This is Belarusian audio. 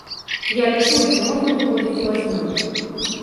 Я лічу, што можна выходзіць у васьмёрку.